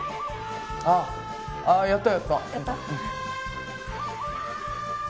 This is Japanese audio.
ああああやったやった。